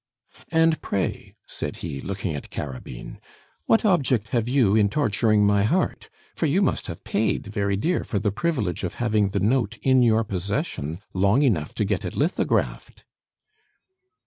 "And, pray," said he, looking at Carabine, "what object have you in torturing my heart, for you must have paid very dear for the privilege of having the note in your possession long enough to get it lithographed?"